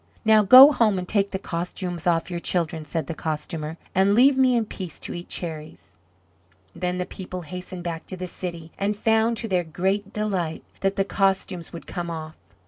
"Now go home and take the costumes off your children," said the Costumer, "and leave me in peace to eat cherries." Then the people hastened back to the city, and found, to their great delight, that the costumes would come off.